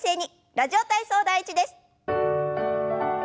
「ラジオ体操第１」です。